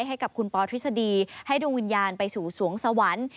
ให้กับคุณปอทฤษฎีให้ดวงวิญญาณไปสู่สวงสวรรค์